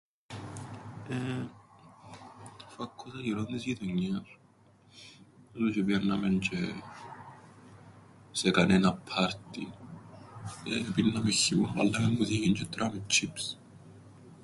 Εφακκούσα γυρόν της γειτονιάς, ε τζ̆αι επηαίνναμεν τζ̆αι σε κανέναν ππάρτιν, επίνναμεν χυμόν, εβάλλαμεν μουσικήν τζ̆αι ετρώαμεν τσ̆ιπς.